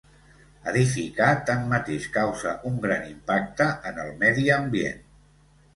Edificar tanmateix causa un gran impacte en el medi ambient.